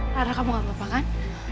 karena kamu gak apa apa kan